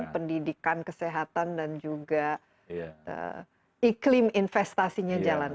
pendidikan kesehatan dan juga iklim investasinya jalan